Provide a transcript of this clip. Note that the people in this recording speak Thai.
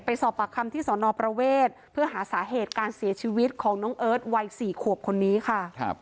สอบปากคำที่สอนอประเวทเพื่อหาสาเหตุการเสียชีวิตของน้องเอิร์ทวัย๔ขวบคนนี้ค่ะ